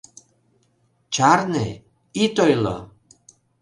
Чарне, ит ойло!